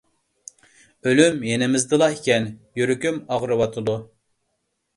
ئۆلۈم يېنىمىزدىلا ئىكەن... يۈرىكىم ئاغرىۋاتىدۇ.